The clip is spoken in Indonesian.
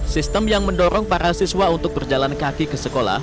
sistem yang mendorong para siswa untuk berjalan kaki ke sekolah